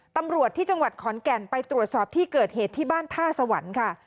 ตำรวจที่จังหวัดขอนแก่นไปตรวจสอบที่เกิดเหตุที่บ้านท่าสวรรค์ค่ะ